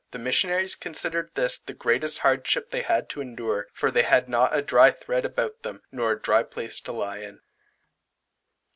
The missionaries considered this the greatest hardship they had to endure, for they had not a dry thread about them, nor a dry place to lie in.